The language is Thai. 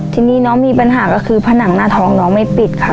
ทีนี้น้องมีปัญหาก็คือผนังหน้าท้องน้องไม่ปิดค่ะ